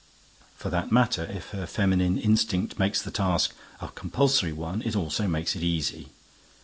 For that matter, if her feminine instinct makes the task a compulsory one, it also makes it easy.